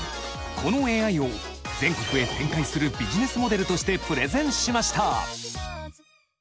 このＡＩを全国へ展開するビジネスモデルとしてプレゼンしました。